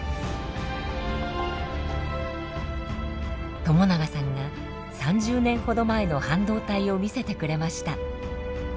友永さんが３０年ほど前の半導体を見せてくれました。